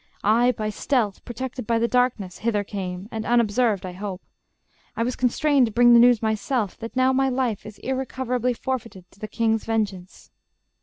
I by stealth, Protected by the darkness, hither came, And unobserved, I hope. I was constrained To bring the news myself, that now my life Is irrecoverably forfeited To the king's vengeance...